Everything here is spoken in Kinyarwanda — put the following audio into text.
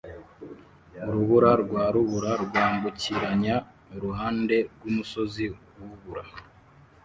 Urubura rwa rubura rwambukiranya uruhande rwumusozi wubura